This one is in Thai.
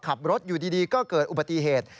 ขับรถอยู่ดีก็เกิดอุบัติเหตุ